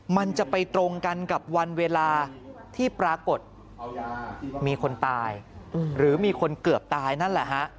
มันจะไปตรงกันกับวันเวลาที่ปรากฏมีคนตายหรือมีคนเกือบตายนั่นแหละฮะ